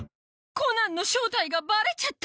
コナンの正体がバレちゃった⁉